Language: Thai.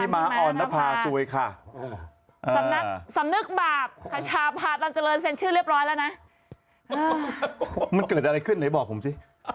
มันเกิดอะไรขึ้นไหนบอกผมสิ